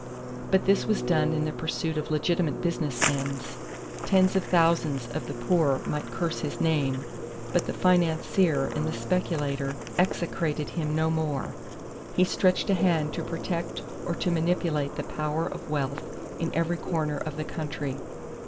But this was done in the pursuit of legitimate business ends. Tens of thousands of the poor might curse his name, but the financier and the speculator execrated him no more. He stretched a hand to protect or to manipulate the power of wealth in every corner of the country.